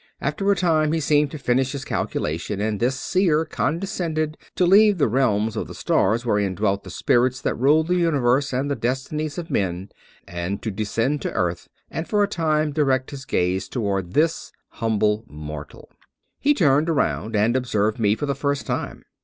After a time he seemed to finish his calculation, and this seer condescended to leave the realms of the stars wherein dwelt the spirits that, rule the universe and the destinies of men, and to descend to earth and for a time direct his gaze toward this humble mortal. He turned around and observed me for the first time.